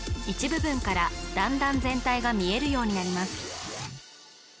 一部分からだんだん全体が見えるようになります